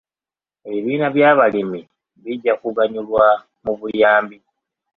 Ebibiina by'abalimi bijja kuganyulwa mu buyambi.